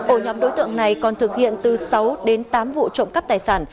ổ nhóm đối tượng này còn thực hiện từ sáu đến tám vụ trộm cắp tài sản